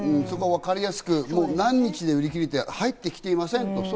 わかりやすく何日で売り切れて入ってませんと。